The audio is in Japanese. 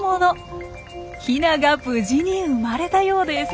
ヒナが無事に生まれたようです！